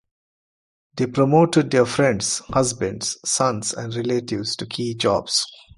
They promoted their friends' husbands, sons and relatives to key jobs.